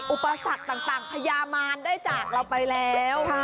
อุปสรรคต่างพญามานได้จากเราไปแล้ว